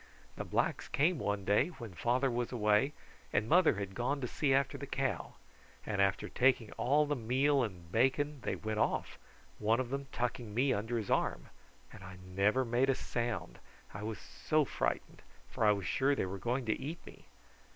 The blacks came one day when father was away, and mother had gone to see after the cow, and after taking all the meal and bacon they went off, one of them tucking me under his arm, and I never made a sound, I was so frightened, for I was sure they were going to eat me.